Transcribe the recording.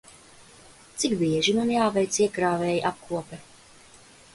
Cik bieži man jāveic iekrāvēja apkope?